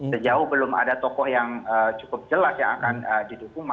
sejauh belum ada tokoh yang cukup jelas yang akan didukung